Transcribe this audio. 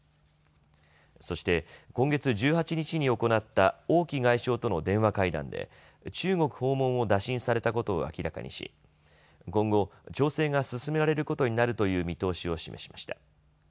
そして、今月１８日に行った王毅外相との電話会談で中国訪問を打診されたことを明らかにし今後、調整が進められることになるという見通しを示しました。